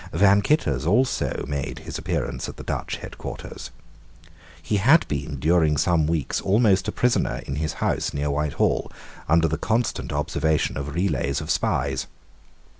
Van Citters also made his appearance at the Dutch head quarters. He had been during some weeks almost a prisoner in his house, near Whitehall, under the constant observation of relays of spies.